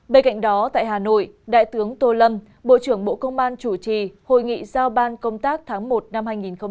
bên cạnh đó tại hà nội đại tướng tô lâm bộ trưởng bộ công an chủ trì hội nghị giao ban công tác tháng một năm hai nghìn hai mươi